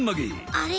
あれ？